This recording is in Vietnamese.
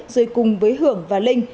rồi cùng với hưởng và linh